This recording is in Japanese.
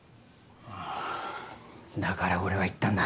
はぁだから俺は言ったんだ。